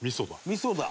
「味噌だ！